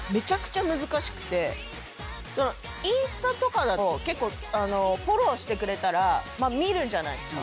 インスタとかだと結構フォローしてくれたら見るじゃないですか。